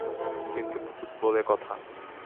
কিন্তু ভূত বলে কথা!